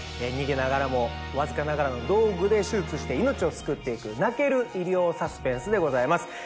逃げながらもわずかながらの道具で手術して命を救って行く泣ける医療サスペンスでございます。